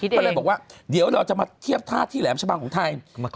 ก็เลยบอกว่าเดี๋ยวเราจะมาเทียบท่าที่แหลมชะบังของไทย